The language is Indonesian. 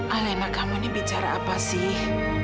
alena kamu ini bicara apa sih